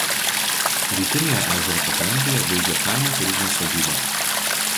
Rytinėje ežero pakrantėje veikia kaimo turizmo sodyba.